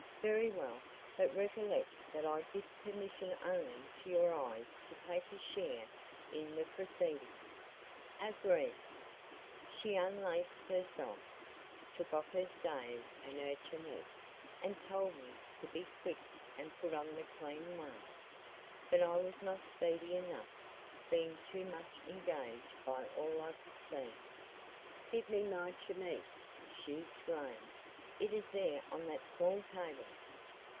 "Very well, but recollect that I give permission only to your eyes to take a share in the proceedings." "Agreed!" She unlaced herself, took off her stays and her chemise, and told me to be quick and put on the clean one, but I was not speedy enough, being too much engaged by all I could see. "Give me my chemise," she exclaimed; "it is there on that small table."